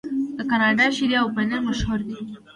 د کاناډا شیدې او پنیر مشهور دي.